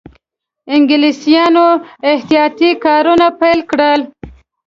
انګلیسیانو احتیاطي کارونه پیل کړل.